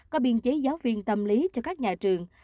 có biên chế giáo viên tâm lý cho các nhà trường